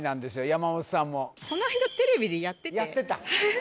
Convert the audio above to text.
山本さんもこないだテレビでやっててやってた？